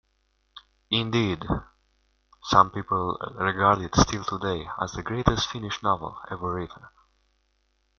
Indeed, some people regard it still today as the greatest Finnish novel ever written.